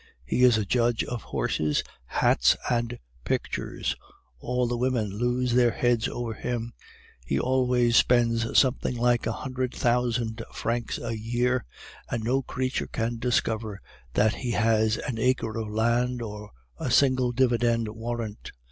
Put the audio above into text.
He is a judge of horses, hats, and pictures. All the women lose their heads over him. He always spends something like a hundred thousand francs a year, and no creature can discover that he has an acre of land or a single dividend warrant.